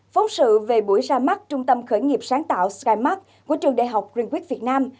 phóng sự về buổi ra mắt trung tâm khởi nghiệp sáng tạo skymark của trường đại học greenquist việt nam